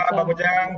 ya bang ujang